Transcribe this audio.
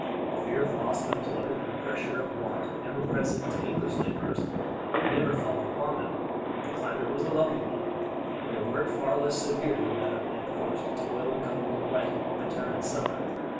The fear of loss of employment or the pressure of want, ever present to English laborers, had never fallen upon them. The climate was a lovely one, and their work far less severe than that of men forced to toil in cold and wet, winter and summer.